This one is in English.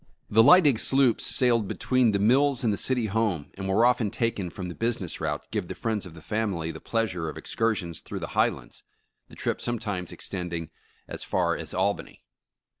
The Lydig sloops sailed between the mills and the city home, and were often taken from the business route to give the friends of the family the pleasure of ex cursions through the Highlands, the trip sometimes ex tending as far as Albany.